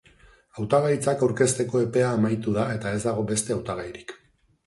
Hautagaitzak aurkezteko epea amaitu da eta ez dago beste hautagairik.